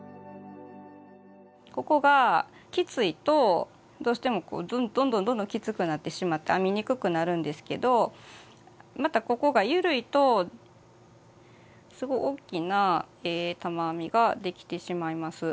ここがきついとどうしてもどんどんどんどんきつくなってしまって編みにくくなるんですけどまたここが緩いとすごい大きな玉編みができてしまいます。